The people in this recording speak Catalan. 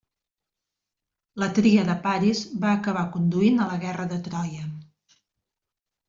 La tria de Paris va acabar conduint a la guerra de Troia.